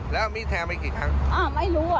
แล้วมีแทงไปกี่ครั้งอ่อไม่รู้อ่ะหรอจำไม่ได้หนูรับ